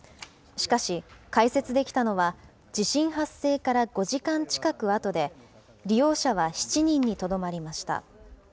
しかし、開設できたのは地震発生から５時間近くあとで、利用者は７人にとどまりました。